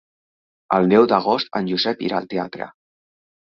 El deu d'agost en Josep irà al teatre.